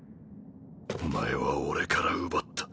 お前は俺から奪った。